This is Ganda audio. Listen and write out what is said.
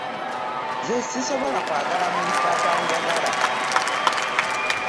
Nze sisobola kwagala muntu atanjagala.